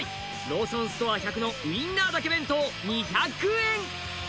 ローソンストア１００のウインナーだけ弁当２００円